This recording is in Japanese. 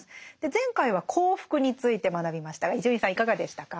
前回は幸福について学びましたが伊集院さんいかがでしたか？